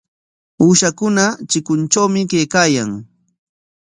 Uushakuna chikuntrawmi kaykaayan.